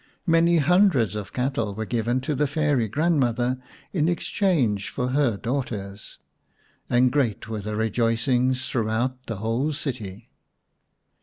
Many hundreds of cattle were given to the Fairy grandmother in exchange for her daughters, and great were the rejoicings throughout the whole city.